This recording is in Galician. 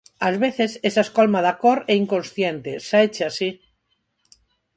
Ás veces, esa escolma da cor é inconsciente, sáeche así.